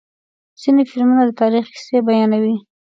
ځینې فلمونه د تاریخ کیسې بیانوي.